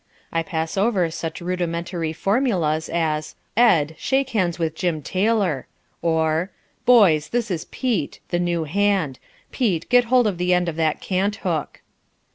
I pass over such rudimentary formulas as "Ed, shake hands with Jim Taylor," or, "Boys, this is Pete, the new hand; Pete, get hold of the end of that cant hook."